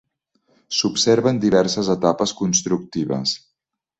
S'observen diverses etapes constructives.